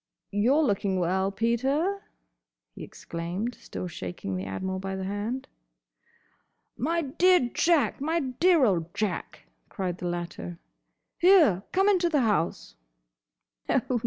"You're looking well, Peter!" he exclaimed, still shaking the Admiral by the hand. "My dear Jack! My dear old Jack!" cried the latter. "Here! come into the house!"